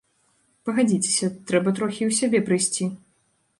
Пагадзіцеся, трэба трохі і ў сябе прыйсці.